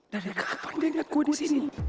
dari kapan dia ngeliat gue di sini